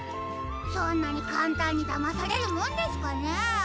そんなにかんたんにだまされるもんですかねえ？